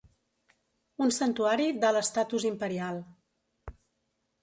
Un santuari d'alt estatus imperial.